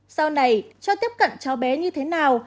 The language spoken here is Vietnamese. sau này cho tiếp cận cháu bé như thế nào